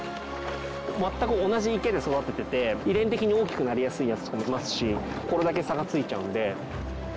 全く同じ池で育てていて遺伝的に大きくなりやすいやつとかもいますしこれだけ差が付いちゃうんで。